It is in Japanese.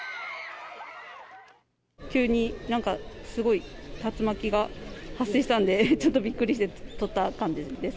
急になんか、すごい竜巻が発生したんで、ちょっとびっくりして撮った感じです。